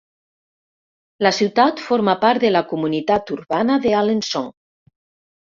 La ciutat forma part de la Comunitat urbana d'Alençon.